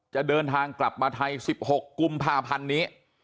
จะเดินทางกลับมาไทย๑๖กุมภาพันธ์นี้